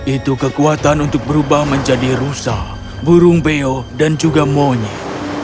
itu kekuatan untuk berubah menjadi rusa burung beo dan juga monyet